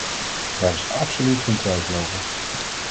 Daar is absoluut geen twijfel over.